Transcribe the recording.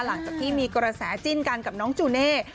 หลังจากที่มีกระแสจิ้นกันกับน้องจูเน่